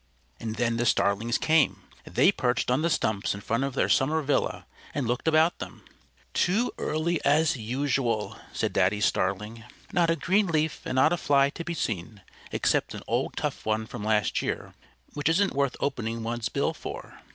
And then the Starlings came. They perched on the stumps in front of their summer villa, and looked about them. "Too early as usual," said Daddy Starling. "Not a green leaf and not a fly to be seen, except an old tough one from last year, which isn't worth opening one's bill for."